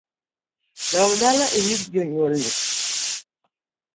Dog dala irit jonyuol ni